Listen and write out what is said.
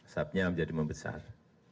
sabnya menjadi membesar